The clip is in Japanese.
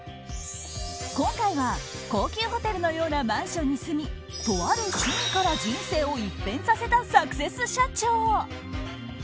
今回は、高級ホテルのようなマンションに住みとある趣味から人生を一変させたサクセス社長。